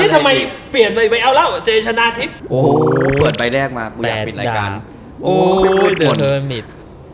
นี่ทำไมเปลี่ยนมาอีกวันเอาแล้วเจชนะทิพย์กรูดใบแรกมากูอยากปิดโอ้โหหมด